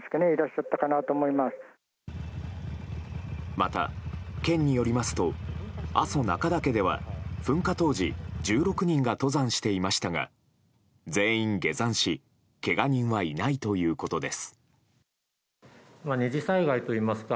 また、県によりますと阿蘇中岳では噴火当時１６人が登山していましたが全員下山しけが人はいないということです。